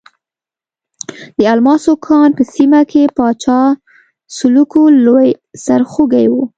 د الماسو کان په سیمه کې پاچا سلوکو لوی سرخوږی وو.